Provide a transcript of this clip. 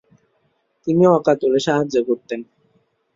তিনি অকাতরে সাহায্য করতেন।